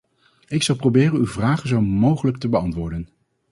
Ik zal proberen uw vragen zo mogelijk te beantwoorden.